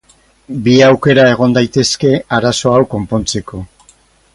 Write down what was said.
Bi aukera egon daitezke arazo hau konpontzeko.